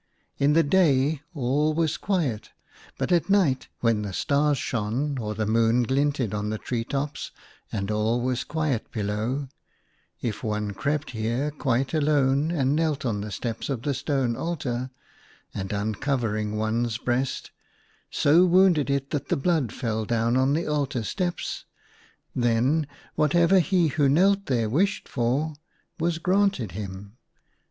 In the day all was quiet, but at night, when the stars shone or the moon glinted on the tree tops, and all was quiet below, if one crept here quite alone and knelt on the steps of the stone altar, and uncovering one's breast, so wounded it that the blood fell down on the altar steps, then whatever he who knelt there wished for was granted him.